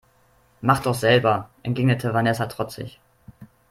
Mach doch selber, entgegnete Vanessa trotzig.